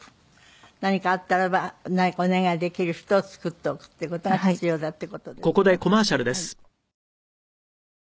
何かあったらば何かお願いできる人を作っておくっていう事が必要だって事ですね。